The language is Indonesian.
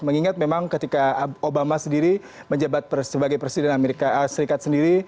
mengingat memang ketika obama sendiri menjabat sebagai presiden amerika serikat sendiri